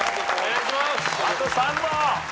あと３問。